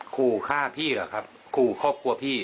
ขู่ฆ่าพี่เหรอครับขู่ครอบครัวพี่